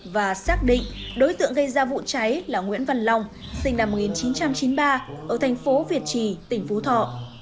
và xác định đối tượng gây ra vụ cháy là nguyễn văn long sinh năm một nghìn chín trăm chín mươi ba ở thành phố việt trì tỉnh phú thọ